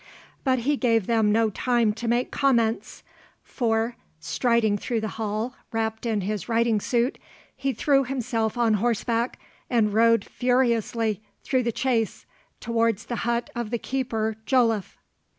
But he gave them no time to make comments; for, striding through the hall wrapt in his riding suit, he threw himself on horseback, and rode furiously through the Chase, towards the hut of the keeper Joliffe.